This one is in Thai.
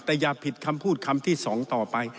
แต่อย่าผิดคำพูดคำที่๒ต่อไป